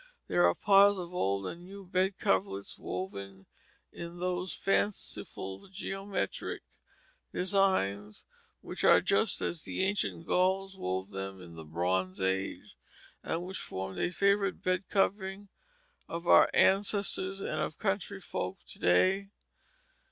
There are piles of old and new bed coverlets woven in those fanciful geometric designs, which are just as the ancient Gauls wove them in the Bronze Age, and which formed a favorite bed covering of our ancestors, and of country folk to day.